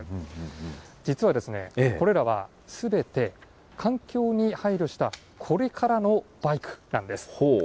実は、これらはすべて、環境に配慮したこれからのバイクなんです。